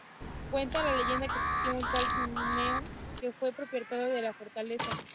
Cuenta la leyenda que existió un tal Simeón que fue propietario de la fortaleza.